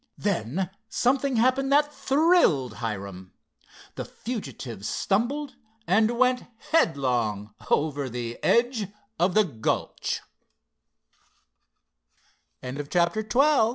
Then something happened that thrilled Hiram. The fugitive stumbled and went headlong over the edge of the g